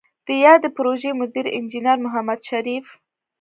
د یادې پروژې مدیر انجنیر محمد شریف